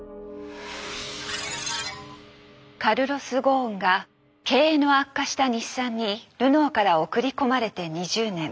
カルロス・ゴーンが経営の悪化した日産にルノーから送り込まれて２０年。